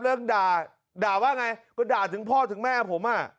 เรื่องด่าด่าว่าไงด่าถึงพ่อถึงแม่ผมห้ะ